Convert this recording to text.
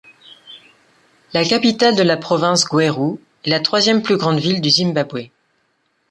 La capitale de la province, Gweru, est la troisième plus grande ville du Zimbabwe.